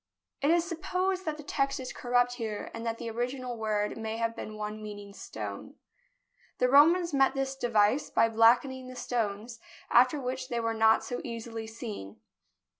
It is supposed that the text is corrupt here, and that the original word may have been one meaning " stone." The Romans met this device by blackening the stones, after which they were not so easily seen.